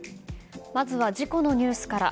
まずは事故のニュースから。